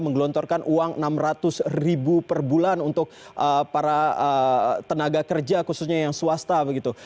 menggelontorkan uang rp enam ratus ribu per bulan untuk para tenaga kerja khususnya yang swasta begitu